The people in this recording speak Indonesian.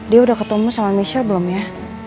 dia udah ketemu sama michelle belum ya